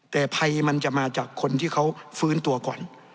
แต่ภัยมันจะมาจากคนที่เขาฟื้นตัวก่อน